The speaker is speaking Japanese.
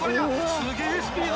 ［すげえスピードだ！